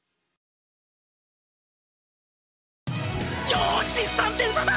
よし３点差だ！